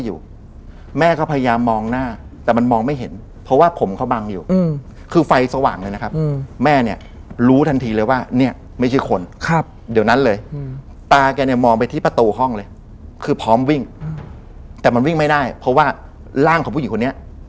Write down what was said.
ยืนล้อมเตียงเขาหมดเลย